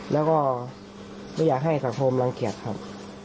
แล้วก็ไม่อยากให้สังคมรังเกียจครับ